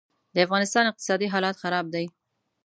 دافغانستان اقتصادي حالات خراب دي